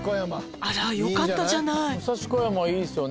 「あらよかったじゃない」